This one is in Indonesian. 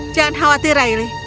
jangan khawatir riley